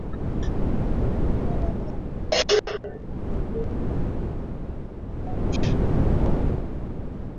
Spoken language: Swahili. Mkoa wa Kagera una jumla ya watu milioni mbili